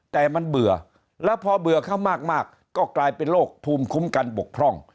แต่มันเบื่อแล้วพอเบื่อเข้ามากก็กลายเป็นโรคภูมิคุ้มกันบกพร่อง